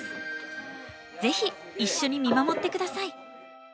ぜひ一緒に見守って下さい。